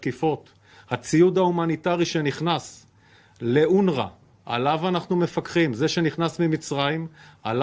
pembuatan humanitar yang masuk ke unra yang kita percaya yang masuk dari mesir